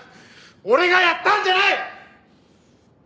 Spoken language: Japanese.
俺がやったんじゃない！